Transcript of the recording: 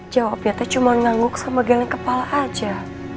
jawabnya teh cuma nganguk sama geleng kepala aja